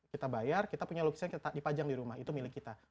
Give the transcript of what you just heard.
kita bayar kita punya lukisan dipajang di rumah itu milik kita